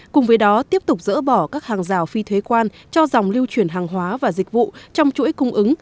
cùng với đó tiếp tục dỡ bỏ các hàng rào phi thuế quan cho dòng lưu chuyển hàng hóa và dịch vụ trong chuỗi cung ứng